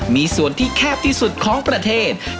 มีส่วนที่แคบที่สุดของประเทศ